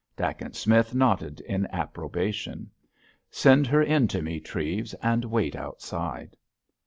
Dacent Smith nodded in approbation. "Send her in to me, Treves, and wait outside."